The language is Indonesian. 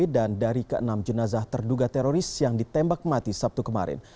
dan dari ke enam jenazah terduga teroris yang ditembak mati sabtu kemarin